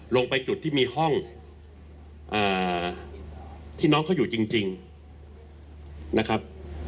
ลงไปจุดที่มีห้องที่น้องเขาอยู่จริงนะครับ